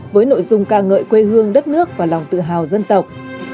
với nội dung ca ngợi quê hương đất nước và lòng tự hào dân tộc